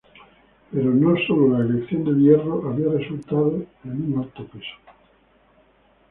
Pero no sólo la elección del hierro había resultado en un alto peso.